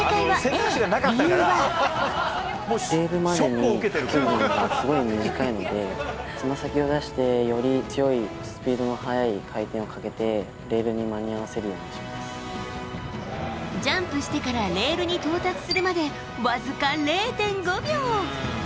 レールにかけるまですごい短いのでつま先を出してより強い、スピードの速い回転をかけて、レールに間に合わせるようにしまジャンプしてからレールに到達するまで僅か０．５秒。